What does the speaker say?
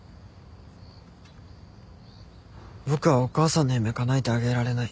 僕はお母さんの夢かなえてあげられない。